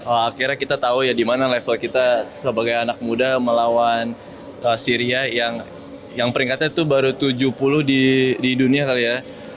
akhirnya kita tahu ya di mana level kita sebagai anak muda melawan syria yang peringkatnya itu baru tujuh puluh di dunia kali ya